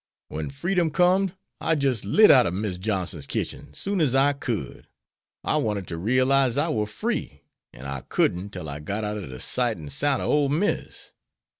Wen freedom com'd I jist lit out ob Miss Johnson's kitchen soon as I could. I wanted ter re'lize I war free, an' I couldn't, tell I got out er de sight and soun' ob ole Miss.